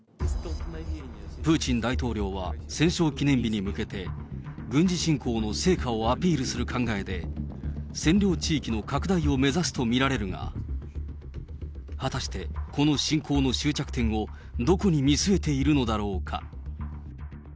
プーチン大統領は戦勝記念日に向けて、軍事侵攻の成果をアピールする考えで、占領地域の拡大を目指すと見られるが、果たして、この侵攻の終着点をどこに見据えているのだろうか。